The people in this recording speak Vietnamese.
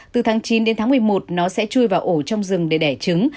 từ tháng chín đến tháng một mươi một nó sẽ chui vào ổ trong rừng để đẻ trứng